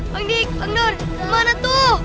bangdik bangdur mana tuh